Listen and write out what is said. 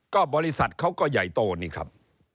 ก็บริษัทเขาก็ใหญ่โตนี่ครับ